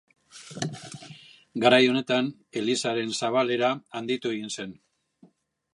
Garai honetan elizaren zabalera handitu zen.